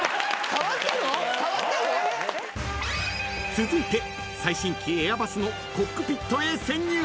［続いて最新機エアバスのコックピットへ潜入］